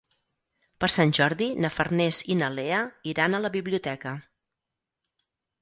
Per Sant Jordi na Farners i na Lea iran a la biblioteca.